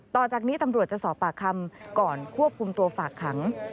ต่อจากนี้ตำรวจจะสอบปากคำก่อนควบคุมตัวฝากขัง